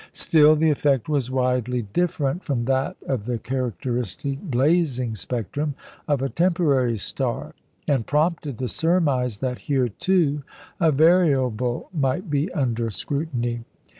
Still, the effect was widely different from that of the characteristic blazing spectrum of a temporary star, and prompted the surmise that here, too, a variable might be under scrutiny.